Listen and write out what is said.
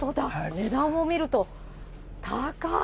値段を見ると高い。